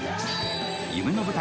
夢の舞台・